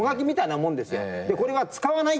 これは使わない。